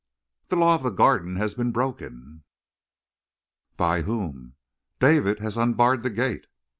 "The law of the Garden has been broken." "By whom?" "David has unbarred the gate."